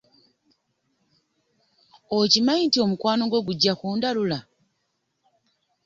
Okimanyi nti omukwano gwo gugya ku ndalula.